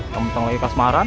kamu datang lagi kasemaran